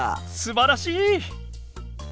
すばらしい！